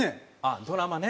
ドラマね。